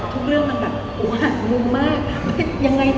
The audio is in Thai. ทุกเรื่องมันแบบมุ่งมากยังไงต่ออะไรอย่างเงี้ยค่ะ